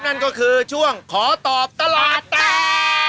นั่นก็คือช่วงขอตอบตลาดแตก